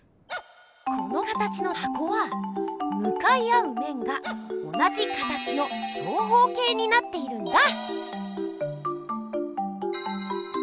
この形のはこはむかい合うめんが同じ形の長方形になっているんだ！